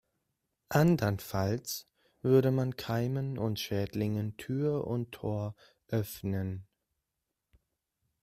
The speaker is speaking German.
Andernfalls würde man Keimen und Schädlingen Tür und Tor öffnen.